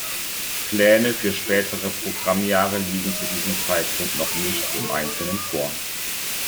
Pläne für spätere Programmjahre liegen zu diesem Zeitpunkt noch nicht im Einzelnen vor.